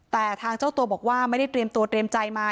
แต่ทางเจ้าตัวบอกว่าไม่ได้เตรียมตัวเตรียมใจมา